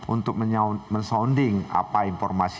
untuk men sounding apa informasi